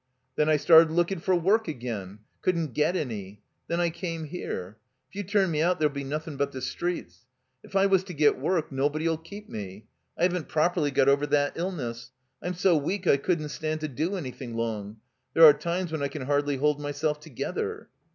"Then I started lookin' for work again. Couldn't get any. Then I came here. If you turn me out there'll be nothing but the streets. If I was to get work nobody '11 keep me. I haven't properly got over that illness. I'm so weak I couldn't stand to do anything long. There are times when I can hardly hold myself together."